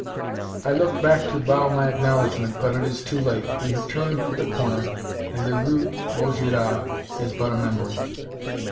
I look back to bow my acknowledgment, but it is too late; we have turned the corner and the rue Vaugirard is but a memory!